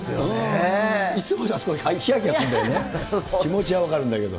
いつもあそこで、ひやひやするんだよね、気持ちは分かるんだけど。